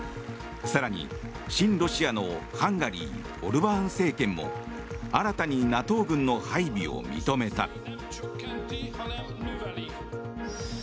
更に親ロシアのハンガリーオルバーン政権も新たにＮＡＴＯ軍の配備を認めた。